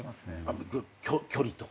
距離とか？